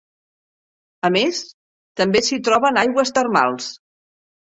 A més, també s'hi troben aigües termals.